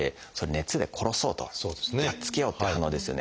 熱で殺そうとやっつけようって反応ですよね。